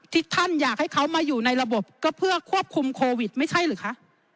ที่ท่านอยากให้เขามาอยู่ในระบบก็เพื่อควบคุมโควิดไม่ใช่หรือคะ